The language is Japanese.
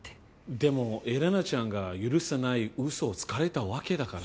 でもエレナちゃんが許せないウソをつかれたわけだから。